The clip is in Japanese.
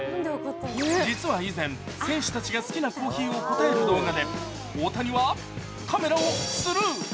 実は以前、選手たちが好きなコーヒーを答える動画で大谷はカメラをスルー。